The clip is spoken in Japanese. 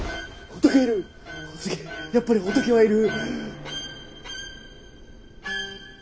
仏やっぱり仏はいる。